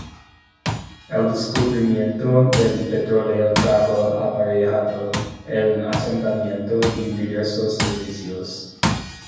El descubrimiento del petróleo trajo aparejado el asentamiento y diversos servicios.